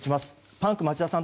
パンク町田さん